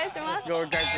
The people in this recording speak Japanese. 合格。